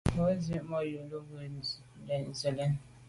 Mba zit manwù lo ghù se lèn.